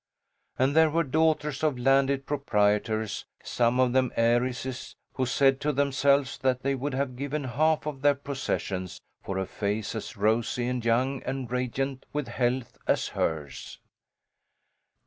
And there were daughters of landed proprietors some of them heiresses who said to themselves that they would have given half of their possessions for a face as rosy and young and radiant with health as hers.